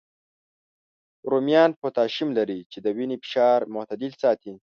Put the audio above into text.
رومیان پوتاشیم لري، چې د وینې فشار معتدل ساتي